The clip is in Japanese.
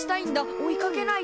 追いかけないと。